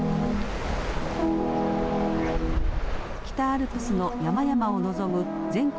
北アルプスの山々を望む全国